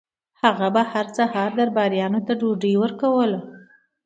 هغه به هر سهار درباریانو ته ډوډۍ ورکوله.